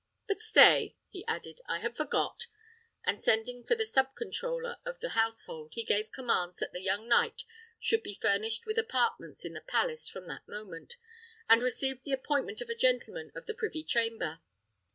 But stay," he added, "I had forgot;" and sending for the sub controller of the household, he gave commands that the young knight should be furnished with apartments in the palace from that moment, and receive the appointment of a gentleman of the privy chamber.